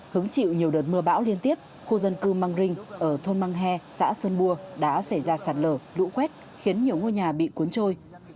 hứng chịu nhiều đợt mưa bão liên tiếp khu dân cư măng rinh ở thôn mang he xã sơn bua đã xảy ra sạt lở lũ quét khiến nhiều ngôi nhà bị cuốn trôi